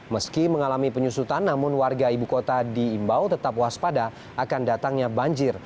meski mengalami penyusutan namun warga ibu kota diimbau tetap waspada akan datangnya banjir